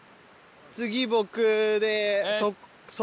次僕で。